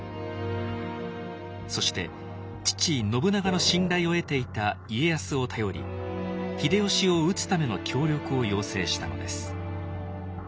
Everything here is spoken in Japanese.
そして父信長の信頼を得ていた家康を頼り秀吉を討つための協力を要請したのです。